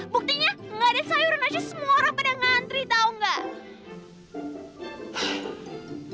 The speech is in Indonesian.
buktinya gak ada sayuran aja semua orang pada ngantri tau gak